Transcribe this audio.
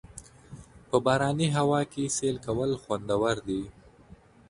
په باراني هوا کې سیل کول خوندور دي.